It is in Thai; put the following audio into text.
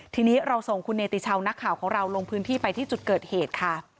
ทีนี้เราส่งคุณเนติชาวนักข่าวของเราลงพื้นที่ไปที่จุดเกิดเหตุค่ะ